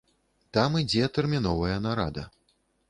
Там ідзе тэрміновая нарада.